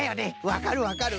わかるわかる。